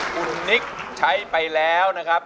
คุณนิกใช้ไปแล้วนะครับ